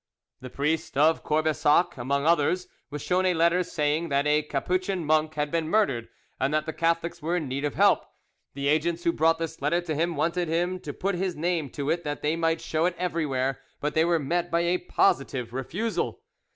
The priest of Courbessac, among others, was shown a letter saying that a Capuchin monk had been murdered, and that the Catholics were in need of help. The agents who brought this letter to him wanted him to put his name to it that they might show it everywhere, but were met by a positive refusal.